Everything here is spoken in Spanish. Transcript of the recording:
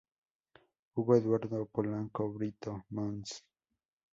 Hugo Eduardo Polanco Brito, Mons.